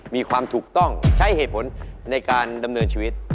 มีความถูกต้องใช้เหตุผลในการดำเนินชีวิต